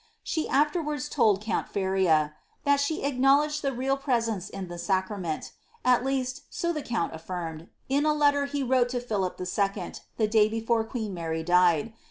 She afterwards told count Feria, that ^^ she acknowledged the real presence in the sacrament : at least, so the count affirmed, in a letter he wrote to Philip H. the day before queen Mary died.